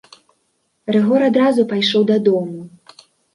Рыгор адразу пайшоў дадому.